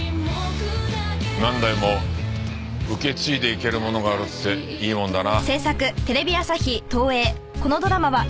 何代も受け継いでいけるものがあるっていいもんだな。